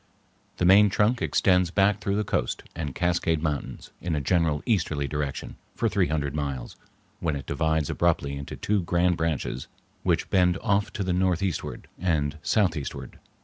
The main trunk extends back through the Coast and Cascade Mountains in a general easterly direction for three hundred miles, when it divides abruptly into two grand branches which bend off to the northeastward and southeastward.